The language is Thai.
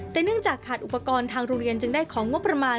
แต่เนื่องจากขาดอุปกรณ์ทางโรงเรียนจึงได้ของงบประมาณ